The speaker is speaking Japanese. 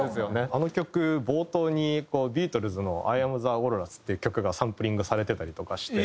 あの曲冒頭にビートルズの『ＩＡｍＴｈｅＷａｌｒｕｓ』っていう曲がサンプリングされてたりとかして。